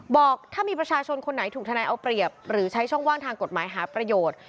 บอกถ้ามีประชาชนคนไหนถูกทนายเอาเปรียบหรือใช้ช่องว่างทางกฎหมายหาประโยชน์